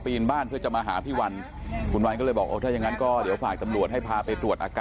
เพราะว่าอาทิตยีแรกตอนเช้าแล้วก็ตอนเช้าเนี่ยตำรวจมาให้แล้วล่ะ